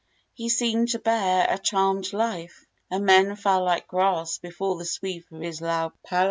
He seemed to bear a charmed life, and men fell like grass before the sweep of his laau palau.